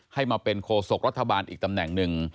ให้มาเป็นโคศกรัฐบาลอีกตำแหน่งหนึ่ง